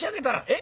え？